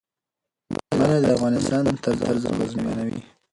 منی د افغانانو د ژوند طرز اغېزمنوي.